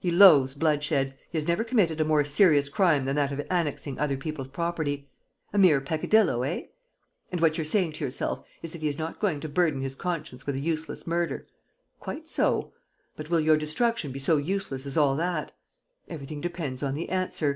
He loathes bloodshed, he has never committed a more serious crime than that of annexing other people's property ... a mere peccadillo, eh? And what you're saying to yourself is that he is not going to burden his conscience with a useless murder. Quite so. ... But will your destruction be so useless as all that? Everything depends on the answer.